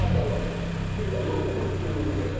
で４００石っていうお米。